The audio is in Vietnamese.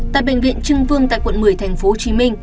tại bệnh viện trưng vương tại quận một mươi tp hcm